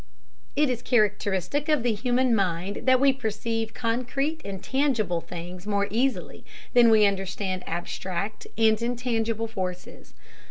It is characteristic of the human mind that we perceive concrete and tangible things more easily than we understand abstract and intangible forces.